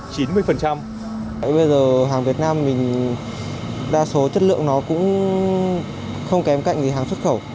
bây giờ hàng việt nam mình đa số chất lượng nó cũng không kém cạnh thì hàng xuất khẩu